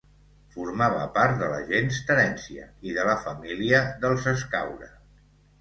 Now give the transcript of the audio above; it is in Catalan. Formava part de la gens Terència, i de la família dels Escaure.